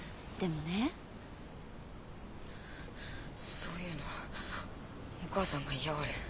そういうのお母さんが嫌がる。